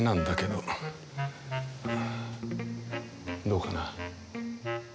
どうかな？